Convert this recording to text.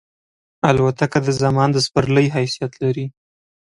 الوتکه د زمان د سپرلۍ حیثیت لري.